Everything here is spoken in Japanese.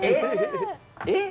えっ！？